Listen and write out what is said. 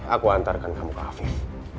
aku antarkan kamu ke hafiz